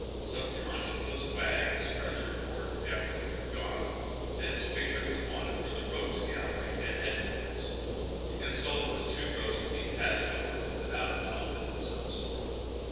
Some conscienceless wag spread the report, after we were gone, that his picture was wanted for the Rogues' Gallery at Headquarters. The insult was too gross to be passed over without atonement of some sort.